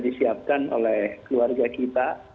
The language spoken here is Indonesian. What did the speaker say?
disiapkan oleh keluarga kita